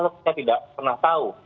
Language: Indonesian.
saya tidak pernah tahu